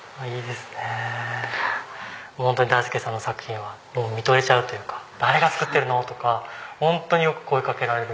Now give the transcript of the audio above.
もうホントに大介さんの作品は見とれちゃうというか誰が作ってるの？とかホントによく声かけられる。